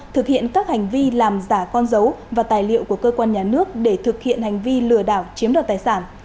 thực hiện các hành vi làm giả con dấu và tài liệu của cơ quan nhà nước để thực hiện hành vi lừa đảo chiếm đoạt tài sản